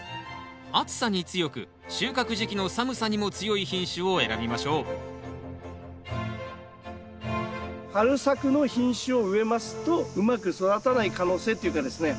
暑さに強く収穫時期の寒さにも強い品種を選びましょう春作の品種を植えますとうまく育たない可能性っていうかですね